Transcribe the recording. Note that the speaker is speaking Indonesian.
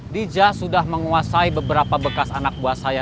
dija sudah menguasai beberapa bekas anak buah saya